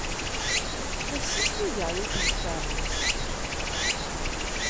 La ssizdigeɣ yiwet n tkeṛṛust.